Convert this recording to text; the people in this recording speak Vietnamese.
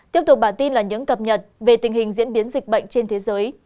tiếp tục bản tin là những cập nhật về tình hình diễn biến dịch bệnh trên thế giới